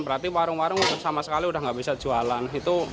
berarti warung warung sama sekali sudah tidak bisa jualan